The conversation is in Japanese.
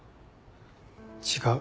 違う。